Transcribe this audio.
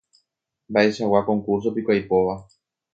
Mba'eichagua concurso-piko aipóva.